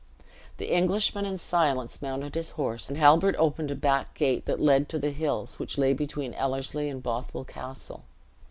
The Englishman in silence mounted his horse, and Halbert opened a back gate that led to the hills which lay between Ellerslie and Bothwell Castle.